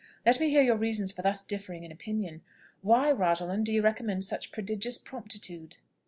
Let me hear your reasons for thus differing in opinion? Why, Rosalind, do you recommend such prodigious promptitude?"